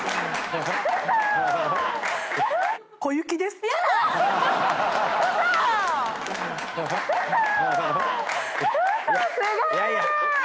すごーい！